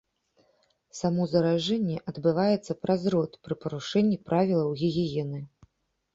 Само заражэнне адбываецца праз рот пры парушэнні правілаў гігіены.